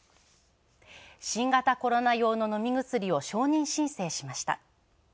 新型コロナ用の飲み薬を承認申請しました。